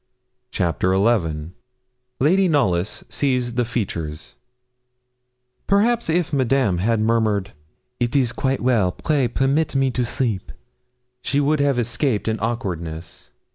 CHAPTER XI LADY KNOLLYS SEES THE FEATURES Perhaps, if Madame had murmured, 'It is quite well pray permit me to sleep,' she would have escaped an awkwardness.